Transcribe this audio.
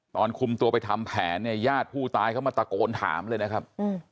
ตอนคุมตัวไปทำแผนเนี่ยญาติผู้ตายเขามาตะโกนถามเลยนะครับ